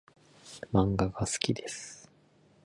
漫画が好きです